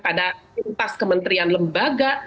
pada pintas kementerian lembaga